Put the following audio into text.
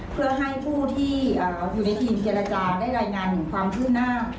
เพื่อให้ผู้ที่อยู่ในทีมเจรจาได้รายงานถึงความคืบหน้า